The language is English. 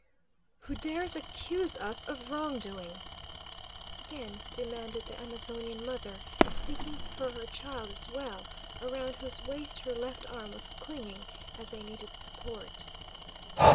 "Who dares accuse us of wrong doing?" again demanded the Amazonian mother, speaking for her child as well, around whose waist her left arm was clinging as a needed support.